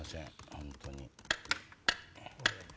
本当に。